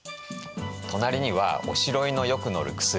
隣には「おしろいのよくのるくすり」